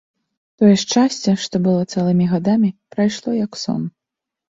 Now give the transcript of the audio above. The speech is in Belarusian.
Тое шчасце, што было цэлымі гадамі, прайшло, як сон.